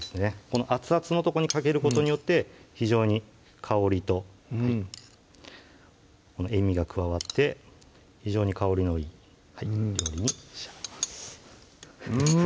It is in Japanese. この熱々のとこにかけることによって非常に香りと塩みが加わって非常に香りのいい料理に仕上がります